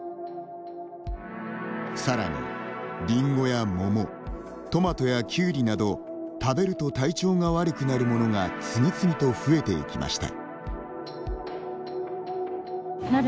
さらに、リンゴやモモトマトやキュウリなど食べると体調が悪くなる物が次々と増えていきました。